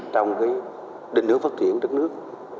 trong cái định hướng phát triển đất nước